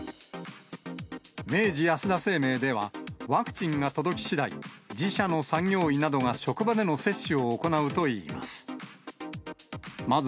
明治安田生命では、ワクチンが届きしだい、自社の産業医などが職場での接種を行うといいます。